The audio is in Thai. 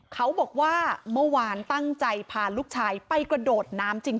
เขาบอกว่าเมื่อวานตั้งใจพาลูกชายไปกระโดดน้ำจริง